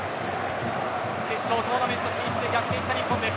決勝トーナメント進出へ逆転した日本です。